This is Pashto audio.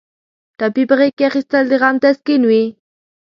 ټپي په غېږ کې اخیستل د غم تسکین وي.